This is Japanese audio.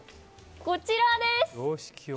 こちらです。